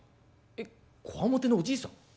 「えっこわもてのおじいさん？